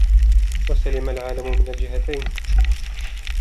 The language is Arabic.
وَسَلِمَ الْعَالِمُ مِنْ الْجِهَتَيْنِ